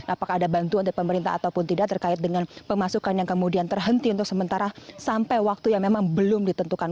apakah ada bantuan dari pemerintah ataupun tidak terkait dengan pemasukan yang kemudian terhenti untuk sementara sampai waktu yang memang belum ditentukan